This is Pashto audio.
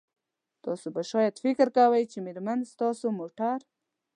تاسو به شاید فکر کوئ چې میرمنې ستاسو موټر